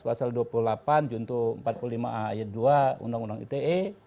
pasal dua puluh delapan juntuh empat puluh lima ayat dua undang undang ite